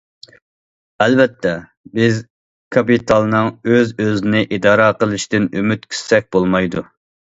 ئەلۋەتتە، بىز كاپىتالنىڭ ئۆز- ئۆزىنى ئىدارە قىلىشىدىن ئۈمىد كۈتسەك بولمايدۇ.